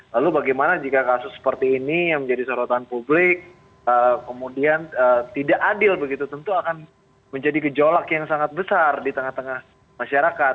lalu bagaimana jika kasus seperti ini yang menjadi sorotan publik kemudian tidak adil begitu tentu akan menjadi gejolak yang sangat besar di tengah tengah masyarakat